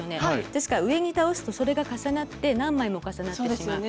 ですから上に倒すとそれが重なって何枚も重なってしまう。